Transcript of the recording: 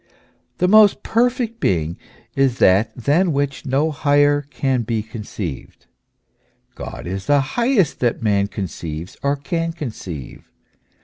The most perfect being is that than which no higher can be conceived : God is the highest that man conceives or can conceive.